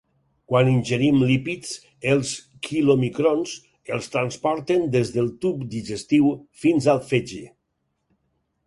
Quan ingerim lípids, els quilomicrons els transporten des del tub digestiu fins al fetge.